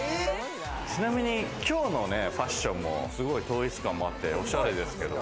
ちなみに今日のファッションもすごい統一感もあってオシャレですけど。